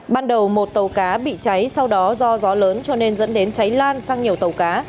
ban đầu một tàu cá bị cháy sau đó do gió lớn cho nên dẫn đến cháy lan sang nhiều tàu cá